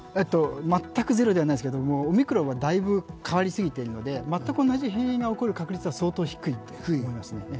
全くゼロではないですけどオミクロンはだいぶ変わりすぎているので、全く同じ変異が起こることは相当低いと思います。